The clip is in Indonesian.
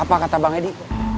apa kata bank eddy